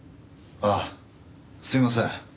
ああすいません